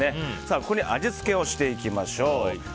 ここに味付けをしていきましょう。